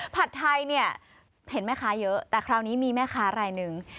ผัดไทยเนี่ยเห็นแม่ค้าเยอะแต่คราวนี้มีแม่ค้ารายหนึ่ง